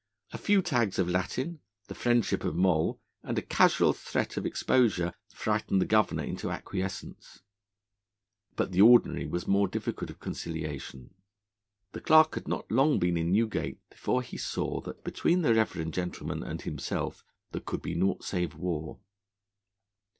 A few tags of Latin, the friendship of Moll, and a casual threat of exposure frightened the Governor into acquiescence, but the Ordinary was more difficult of conciliation. The Clerk had not been long in Newgate before he saw that between the reverend gentleman and himself there could be naught save war.